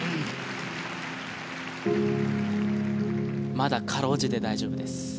まだ辛うじて大丈夫です。